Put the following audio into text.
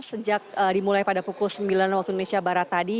sejak dimulai pada pukul sembilan waktu indonesia barat tadi